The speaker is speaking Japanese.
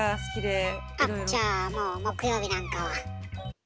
じゃあもう木曜日なんかは。